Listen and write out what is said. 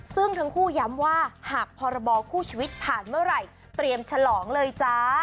ซึ่งทั้งคู่ย้ำว่าหากพรบคู่ชีวิตผ่านเมื่อไหร่เตรียมฉลองเลยจ้า